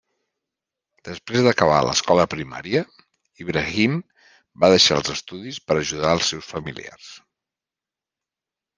Després d'acabar l'escola primària, Ibrahim va deixar els estudis per ajudar els seus familiars.